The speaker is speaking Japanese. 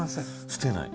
捨てない。